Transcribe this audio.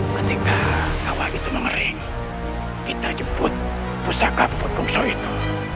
ketika kawah itu mengering kita jemput pusaka pungsok itu